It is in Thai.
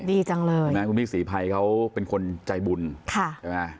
ดีจังเลยใช่ไหมคุณพี่ศรีภัยเขาเป็นคนใจบุญค่ะใช่ไหม